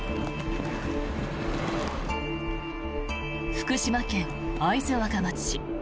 福島県会津若松市。